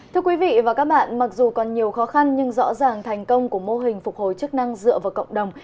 thưa quý vị và các bạn mặc dù còn nhiều khó khăn nhưng rõ ràng thành công của mô hình phục hồi chức năng dựa vào cộng đồng